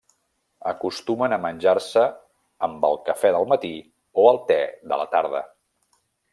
Acostumen a menjar-se amb el cafè del matí o el te de la tarda.